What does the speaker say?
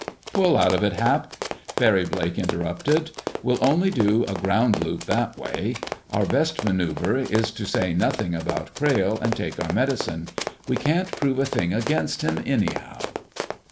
"Pull out of it, Hap!" Barry Blake interrupted. "We'll only do a ground loop that way. Our best maneuver is to say nothing about Crayle and take our medicine. We can't prove a thing against him, anyhow."